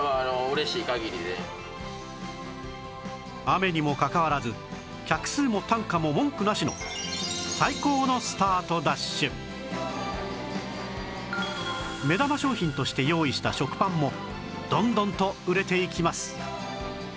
雨にもかかわらず客数も単価も文句なしの目玉商品として用意した食パンもどんどんと売れていきます